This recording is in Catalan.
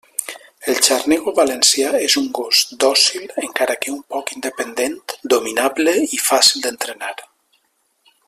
El xarnego valencià és un gos dòcil, encara que un poc independent, dominable i fàcil d'entrenar.